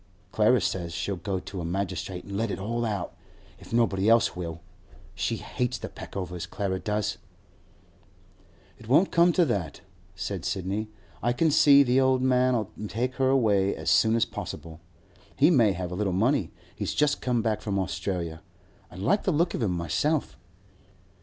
Clara says she'll go to a magistrate an' let it all out, if nobody else will. She hates the Peckovers, Clara does.' 'It won't come to that,' said Sidney. 'I can see the old man'll take her away as soon as possible. He may have a little money; he's just come back from Australia. I like the look of him myself.